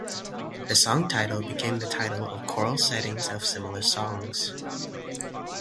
The song title became the title of choral settings of similar songs.